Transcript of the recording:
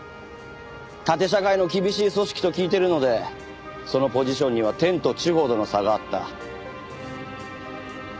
縦社会の厳しい組織と聞いてるのでそのポジションには天と地ほどの差があった。